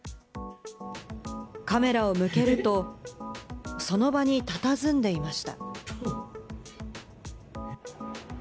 カメラを向けると、その場にたたずんでいました。